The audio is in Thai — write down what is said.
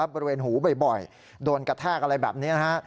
บริเวณหูบ่อยโดนกระแทกอะไรแบบนี้นะฮะ